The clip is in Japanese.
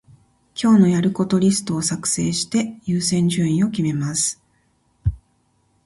今日のやることリストを作成して、優先順位を決めます。